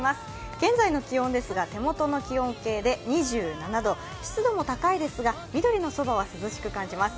現在の気温で手元の気温計で２７度、湿度も高いですが緑のそばは涼しく感じます。